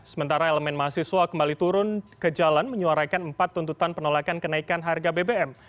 sementara elemen mahasiswa kembali turun ke jalan menyuarakan empat tuntutan penolakan kenaikan harga bbm